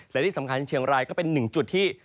และที่สำคัญเชียงรายก็เป็นหนึ่งจุดที่